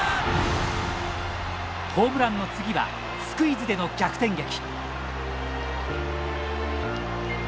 ホームランの次はスクイズでの逆転劇。